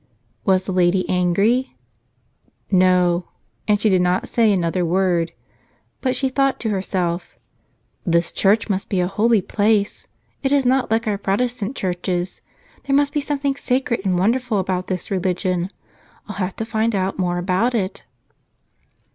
Was the lady angry? No; and she did not say an¬ other word. But she thought to herself, "This church must be a holy place. It is not like our Protestant churches. There must be something sacred and won¬ derful about this religion. I'll have to find out more about it."